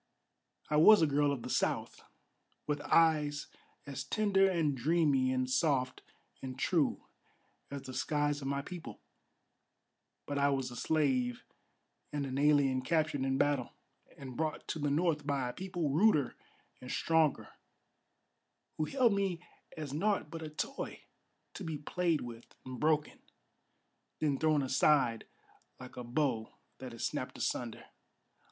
I was a girl of the South, with eyes as tender And dreamy and soft and true as the skies of my people; But I was a slave and an alien captured in battle, And brought to the North by a people ruder and stronger, Who held me as naught but a toy, to be played with and broken, Then thrown aside like a bow that is snapped asunder.